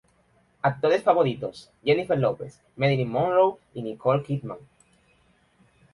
Actores favoritos: Jennifer Lopez, Marilyn Monroe y Nicole Kidman.